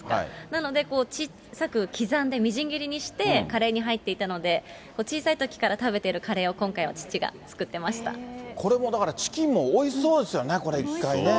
なので、小さく刻んでみじん切りにして、カレーに入っていたので、小さいときから食べてるカレーを今回は、これもだから、チキンもおいしそうですよね、これね。